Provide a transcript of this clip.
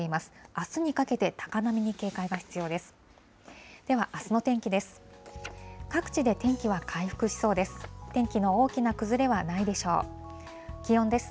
あすにかけて高波に警戒が必要です。